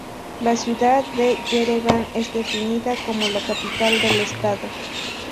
La ciudad de Yerevan es definida como la capital del estado.